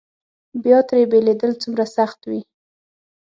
بیا ترې بېلېدل څومره سخت وي.